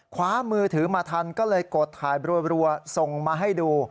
คว้ามือถือมาทันก็เลยกดถ่ายรัวส่งมาให้ดู